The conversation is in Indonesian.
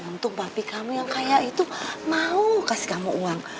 untuk bapi kamu yang kaya itu mau kasih kamu uang